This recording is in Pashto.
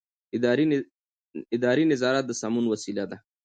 اداري نظارت د سمون وسیله ده.